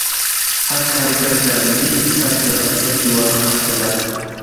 هر کارګر د ملي اقتصاد د بنسټ یوه خښته ده.